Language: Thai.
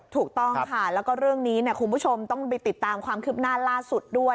ถูกต้องค่ะแล้วก็เรื่องนี้คุณผู้ชมต้องไปติดตามความคืบหน้าล่าสุดด้วย